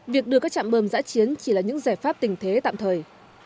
việc đưa các trạm bơm giã chiến chỉ là những giải pháp tình thế tạm thời